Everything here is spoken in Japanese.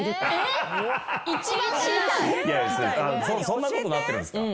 そんなことなってるんですか。